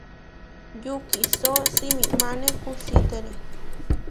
Yukisó simimáne kusítere.